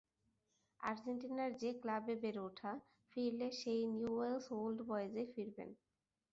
আর্জেন্টিনার যে ক্লাবে বেড়ে ওঠা, ফিরলে সেই নিউওয়েলস ওল্ড বয়েজেই ফিরবেন।